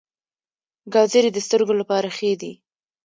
ګازرې د سترګو لپاره ښې دي